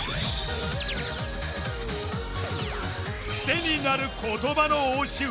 癖になる言葉の応酬。